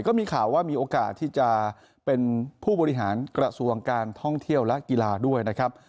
ก็มีข่าวว่ามีโอกาสที่จะเป็นผู้บริหารกระทรวงการท่องเที่ยวและกีฬาด้วยนะครับ